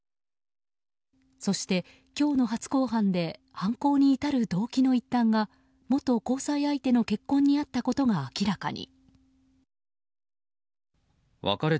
そして、今日の初公判で犯行に至る動機の一端が元交際相手の結婚にあったことが明らかに。